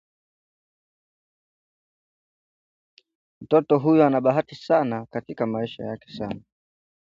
Mtoto huyu ana bahati katika maisha yake sana